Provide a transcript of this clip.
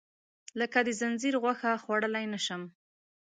لکه د خنځیر غوښه، خوړلی نه شم.